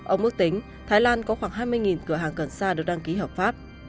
ông ước tính thái lan có khoảng hai mươi cửa hàng cần sa được đăng ký hợp pháp